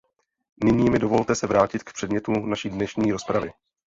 Nyní mi dovolte se vrátit k předmětu naší dnešní rozpravy.